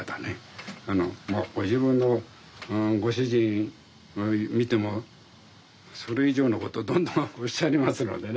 ご自分のご主人見てもそれ以上のことどんどんおっしゃりますのでね。